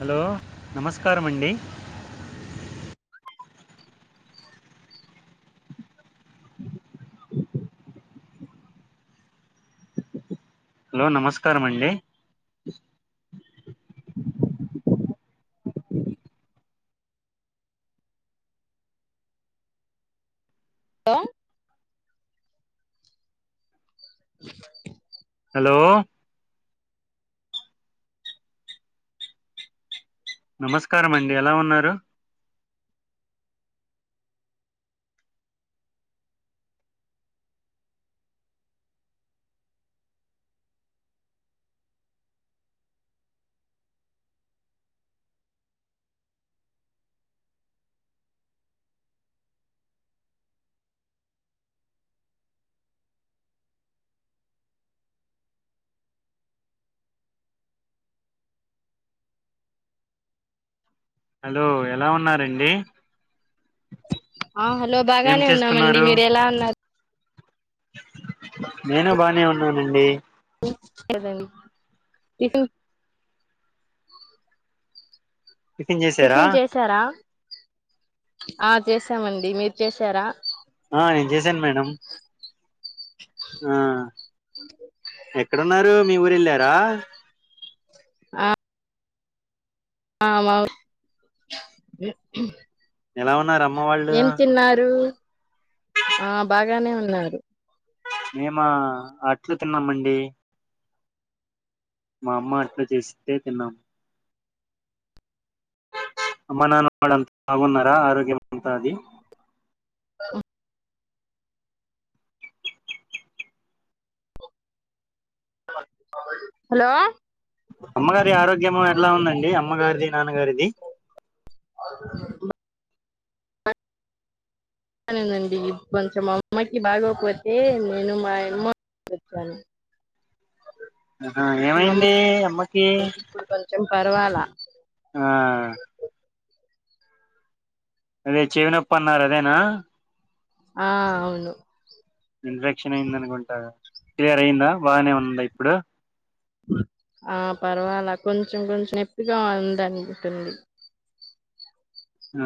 Hello నమస్కార అండి hello నమస్కారం అండి హలో [unintelligible] హలో నమస్కారం అండి ఎలా ఉన్నారు హలో ఎలా ఉన్నారండి ఆ హలో ఏం బాగానే ఉన్నామండి చేస్తున్నారు మీరు ఎలా ఉన్నారు నేను బానే ఉన్నానండి [inaudible] టిఫిన్ చేసారా ఆ చేసామండి మీరు చేసారా ఆ నేను చేసాను మేడం ఆ ఎక్కడున్నారు మీ ఊరు వెళ్ళారు రా రాము ఎలా ఉన్నార ఏం తిన్నారు ఆ బాగానే ఉన్నారు మేము అట్లు తిన్నామండి మా అమ్మ అట్లా చేసింటే తిన్నాము అమనానావాడంత మగున్నర ఆరోగ్యమంతది హలో అమ్మగారి ఆరోగ్యము ఎట్లా ఉందండి అమ్మగారిది నాన్నగారిది సరేనండి కొంచెం అమ్మకి బాగోకపోతే నేను మా అమ్ వచ్చాను ఆహా మా అమ్మ ఏమైంది అమ్మకి ఇప్పుడు కొంచెం పర్వాలా ఆ అదే చెవినప్ప అన్నారదేనా ఆ అవును ఇన్ఫెక్షన్ అయిన్దనుకుంటా క్లియర్ అయ్యిందా బానే ఉందా ఇప్పుడు ఆ పర్వాలా కొంచెం కొంచెం నెప్పిగా ఉందనుకుంటుంది ఆ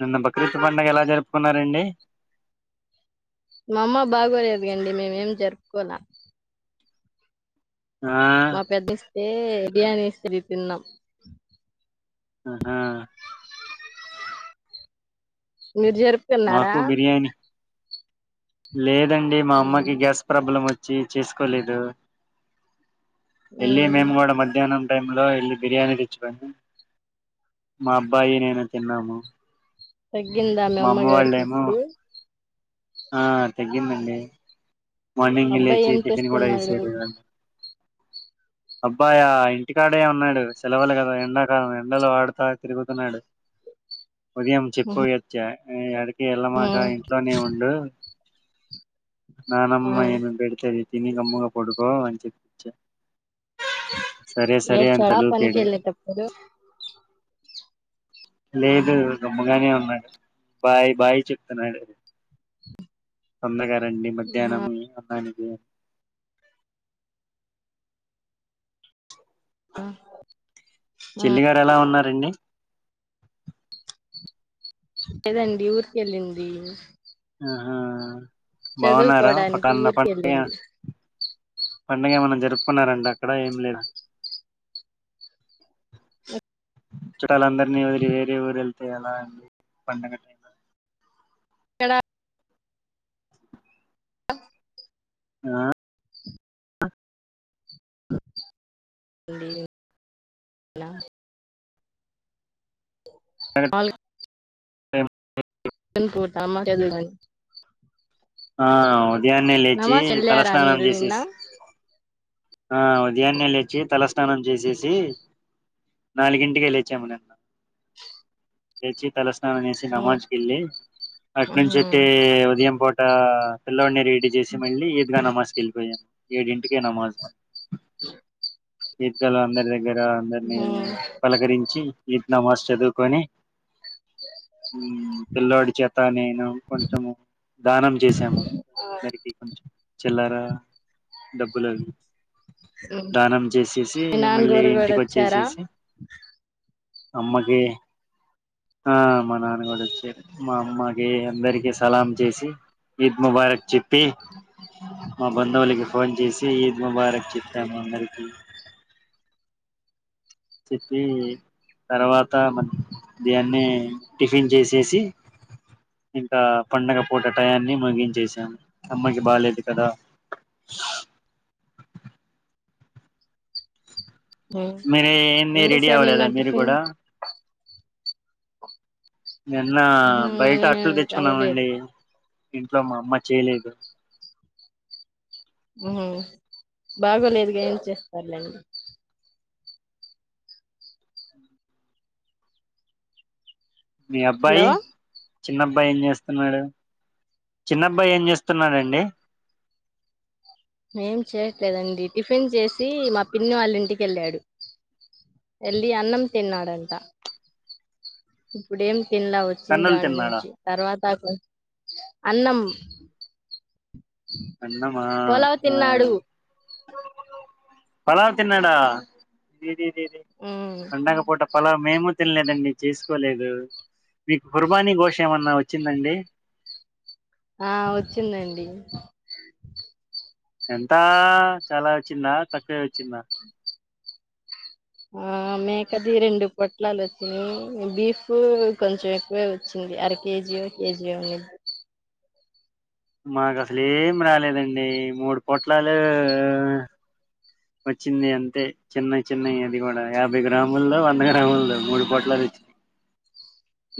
నిన్న బక్రీత్ పండుగ ఎలా జరుపుకున్నారండి. మా అమ్మ బాగోలేదు గండి మేమేం జరుపుకోలా ఆ మా పెద్దిస్ తే బియానేస్తిరి తిన్నాం ఆ హా మీరు జరుపుకున్నారా మాకు బిర్యానీ లేదండి మా ఉమ్ అమ్మకి గ్యాస్ ప్రాబ్లమ్ వచ్చి చె చేసుకోలేదు ఎలి ఉమ్ మేము గడ మధ్యాహ్నం టైమ్ లో ఎళ్ళి బిర్యానీ తెచ్చుకోని మా అబ్బాయి నేను తిన్నాము. తగ్ తగ్గిందా మీ మా అమ్మ అమ్మగారికి వాళ్ళేమో ఇప్పుడు ఆ తగ్గిందండి మార్నింగే అబ్బాయి లేచి ఏం చికెన్ గూడా చేస్తున్నాడు వేశారు గా అబ్బాయా ఇంటికాడే ఉన్నాడు సెలవులు కదా ఎండ కాలం ఎండలు ఆడతా తిరుగుతున్నాడు. ఉదయం చెప్ పొయ్యొచ్చా మ్మ్ యాడి ఎళ్ళమాక ఉమ్ ఇంట్లోనే ఉండు నానమ్మ ఉమ్ ఏమి పెడతది తినీ గమ్ముగా పోడుకో అన్ చెప్ చెప్ ఏడిచాడ పనికి తలుపాడు వెళ్లేటపుడు లేదు గమ్ముగానే ఉన్నాడు బాయ్ బాయ్ చెప్తున్నాడు. తొందరగా రండి ఆహా మధ్యానం అన్నాని ఆ చెల్లి గారెలా ఉన్నార్ రండి లేదండి ఊరికెళ్ళింది ఊహు బాగున్నారా చదువుకోవడానికి [unintelligible] ఏం ఊరికెళ్ళింది అన్న జరుపుకున్నారంట అక్కడ ఏం లే చుట్టాలందరినీ వదిలి వేరే ఊరు వెళ్తే ఎలా అండి పండగ. ఎక్కడ ఆ ఉంది నిన్న వాల్ నమాజ్ చదువుకొని ఆ అవు ఉదయాన్నే లేచి నమాజ్ వెళ్ళారా తలస్నానం మీరు నిన్న చేసేసి. ఆ ఉదయాన్నే లేచి తలస్నా. తల స్నానం చేసేసి నాలుగింటికి లేచి నిన్న లేచి తల. స్నానం చేసి ఉమ్ నమాజ్ కి వెళ్ళి అటు నుంచి ఉహూ అటే ఉదయం పూట ఆ పిల్లో ని. చేసి మళ్ళీ ఈద్గా నమాజ్ వెళ్ళిపోయా ఏడింటికే నమాజ్. ఈద్ గా అందరి. అందరి అందరిని ఉహూ పలకరించి. నమాజ్ చదువుకొని పిల్లాడి చేతనే కొంచము దానం చేసాము అందరికి కొంచం. చిల్లరా డబ్బులు అవి హ్మ్ దానం చేసేసి మళ్ళీ ఇంటికి వచ్చేసేసి. అమ్మకి ఆ మా నాన్న కూడా వచ్చే మా అమ్మ. అందరికి సలాం. చేసి ఈద్ ముబారక్ చెప్పి మా బంధువులకి ఫోన్ చేసి ఈద్ ముబారక్ చెప్పాము అందరికి. చెప్పి తర్వాత మధ్యాన్నే టిఫిన్ చేసేసి ఇంకా పండగ పూట టయాన్ని ముగించేసాము అమ్మకి బాలేదు కదా. ఉమ్ మీర ఏన్ని ఏం రెడీ చేశారు నిన్న అవ్వలేదా మీరు టిఫిన్ కూడా. నిన్న ఉహూ బయట అదేం అట్లు అవ్వలేదు తెచ్చుకున్నామండి. ఇంట్లో మా అమ్మ చేయలేదు. బాగోలేదుగా ఏం చేస్తారులేండి. మీ అబ్బాయి. హలో చిన్నబ్బాయి ఏం చేస్తున్నాడు చిన్నబ్బాయి ఏం చేస్తున్నాడు అండి ఏం చేయట్లేదండి టిఫిన్ చేసి మా పిన్ని వాళ్ళ ఇంటికి వెళ్ళాడు వెళ్ళి అన్నం తిన్నాడంట ఇప్పుడు ఏం తినలా వచ్చినా కన్నులు కాడి తిన్నాడా నుంచి తర్వాత అసలు అన్నం అన్నమా పొలావ్ ఆ. తిన్నాడు పలావ్ తిన్నడా. మ్మ్ పండుగ పూట. పలావ్ మేము తినలేదండి చేసుకోలేదు. మీకు కుర్బానీ ఘోష్ ఏమన్నా చ్చిందండి ఆ వచ్చిందండి ఎంత చాలా వచ్చిందా తక్కువే వచ్చిందా ఆ మేకది రెండు పొట్లాలొచ్చినాయి బీఫ్ కొంచెం ఎక్కువే వచ్చింది అర కేజీయో కేజీయో ఉన్నిద్ది మాకసలు ఏం రాలేదండి మూడు పొట్లాలే వచ్చింది అంతే చిన్నై చిన్నయి అది కూడా యాభై గ్రాముల్లో వంద గ్రాముల్లో మూడు పొట్లాలు వచ్చినాయి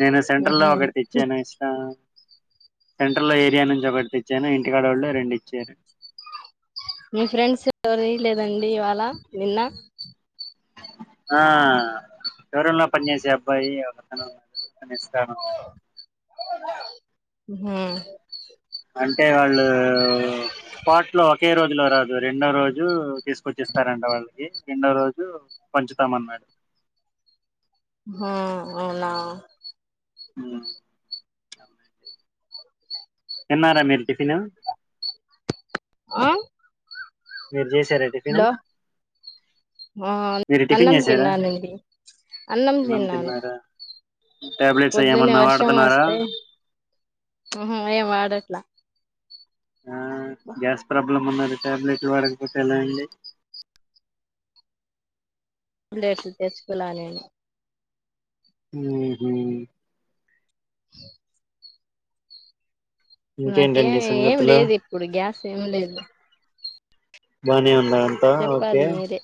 నేను సెంట్రల్ లో ఊహూ ఒకటి తెచ్చాను ఇస్తా సెంట్రల్ లో ఏరియా నుంచి ఒకటి ఇచ్చాను ఇంటికాడోళ్ళు రెండిచ్చారు మీ ఫ్రెండ్స్ ఎవరీ లేదండి ఇవాళ నిన్న ఆ షో రూం లో పని చేేసే అబ్బాయి ఒకతనున్నారు అతను ఇస్తానన్నాడు మ్ హు అంటే వాళ్ళు స్పాట్లో ఒకే రో లో రాదు రెండో రోజు తీసుకొచ్చిస్తారంట వాళ్ళకి రెండో రోజు పంచుతామన్నారు హ అవునా మ్ [inaudible] తిన్నారా మీరు టిఫిన్ ఆ మీరు చేస్ హలో అ మీరు టిఫిన్ అన్నం చేసారా తిన్నానండి అన్నం తిన్నాను టాబ్లెట్స్ అ పొద్దున్నే ఏమన్నా వర్షం వాడుతన్నారా మ్ ఏం వాడట్లా ఆ గ్యాస్ ప్రాబ్లమ్ ఉన్నది టాబ్లెట్లు వాడకపోతే ఎలా అండి [unintelligible] తెచ్చుకోలా నేను మ్ ఊహూ నాకేం ఇంకేంటండి ఏం సంగతులు లేదు ఇప్పుడు గ్యాస్ ఏం లేదు బానేవు అ అంత ఓకే చెప్పాలి మీరే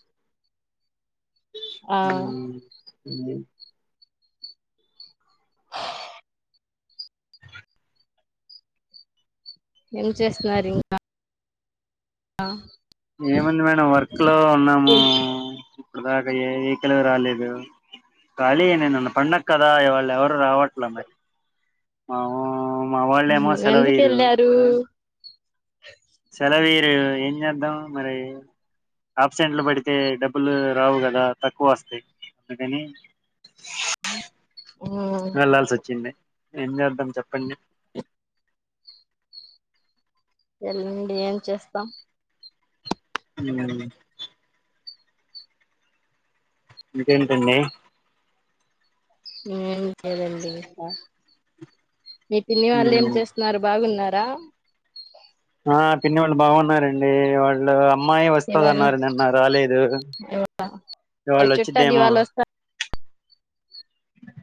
ఆ మ్ [unintelligible] ఏం చేస్తున్నారింకా అ ఏముంది మేడం వర్క్ లో ఉన్నాము ఇప్పుడు దాకా ఏ వెహికిలు రాలేదు ఖాళీఎ నిన్న పండగ కదా ఇవాళ ఎవరు రావట్లే మరి మావు మా వాళ్ళు ఏమొ సెలవు ఎందుకు ఇయ్యరు వెళ్ళారు ఆ సెలవి ఎం చేద్దాం మరే ఆప్సెంట్లు పడితే డబ్బులు రావు కదా తక్కువ వస్తాయి అందుకని వెళ్లాల్సి వచ్చింది ఎం చేద్ధం చెప్పండి వెళ్ళండి ఏం చేస్తాం ఉమ్ ఇంకేంటండి ఏం లేదండి ఇంకా మీ పిన్ని వాళ్ళు ఏం చేస్తున్నారు బాగున్నారా దా ఆ పిన్నోళ్ళు బాగున్నారండి వాళ్ళు అమ్మాయి ఇవాళ వస్తదన్నారు నిన్న రాలేదు, వాళ్ళ చుట్టాలు ఇవాళ్ళోచ్చిందేమో ఇవాళ వస్తా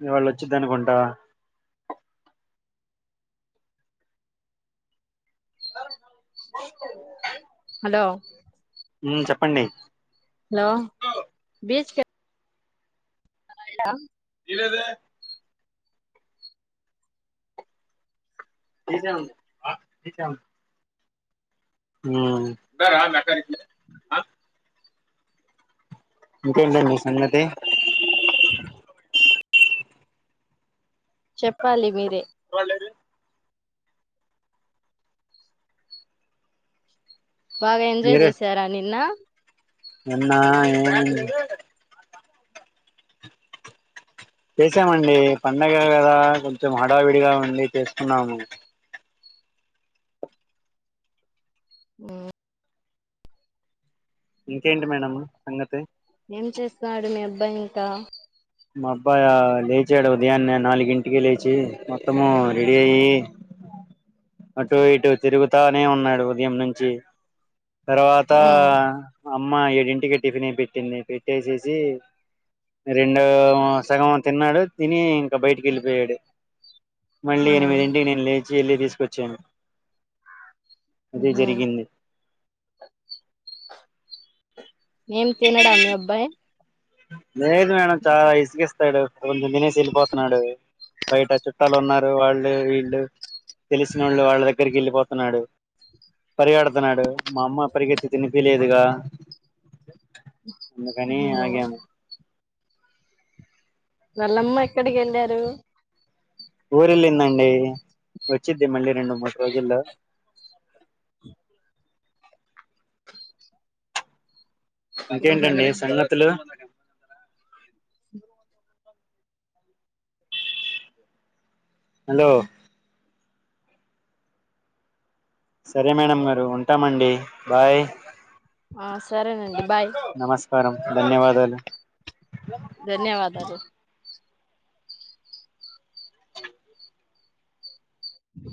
ఇవాళోచ్చిద్ది అనుకుంటా హలో ఉ చెప్పండి హలో బీచ్ కెళ్ళా [inaudible] లేదే తీసామ్ తీసాము ఉమ్ ఇంకేటండి సంగతి చెప్పాలి మీరే బాగా ఎంజాయ్ చేసారా నిన్న నిన్నా ఏముంది చేసామండి పండగ కదా కొంచెం హడావిడిగా ఉంది చేసుకున్నాము ఉమ్ ఇంకేంటి మేడం సంగతి ఏం చేస్తాడు మీ అబ్బాయి ఇంకా మా అబ్బాయి లేచాడు ఉదయాన్నే నాలుగింటిక లేచి మొత్తము రెడీ అయ్యి అటు ఇటు తిరుగుతానే ఉన్నాడు ఉదయం నుంచి తర్వాతా ఆ అమ్మ ఏడింటికి టిఫినే పెట్టింది పెట్టేసేసి రేప్ డు సగం తిన్నాడు తిని క బయటికెళ్ళిపోయాడు మళ్లీ ఆ ఎనిమిదింటికి నేను లేచి వెళ్లి తీస్ వచ్చాను అదే ఉహు జరిగింది ఏం తినడా మీ అబ్బాయి లేదు మేడం చాలా ఈజీగా ఇస్తాడు కొంచెం తినేసి వెళ్ళిపోతున్నాడు బయట చుట్టాలు ఉన్నారు వాళ్ళు వీలు తెలిసినళ్ళ వాళ్ళ దగ్గరికి వెళ్ళపోతారు డు పరిగడుతున్నాడు మా అమ్మ పరిగెత్తి తినిపిలేదుగా అందుకని ఉహు ఆగేము నల్లమ్మ ఎక్కడికి వెళ్ళారు ఊరిలిందండి వచ్చదిే మళ్ళీ నిన్న మస్రాజల అ ఉహు ఇంకేంటండి సంగతులు హలో సరే మేడం గరు ఉంటామండి బాయ్ ఆ సరేనండి బాయ్ నమస్కారం ధన్యవాదాలు ధన్యవాదాలు అ